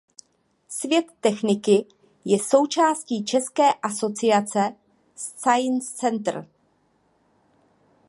Svět techniky je součástí České asociace science center.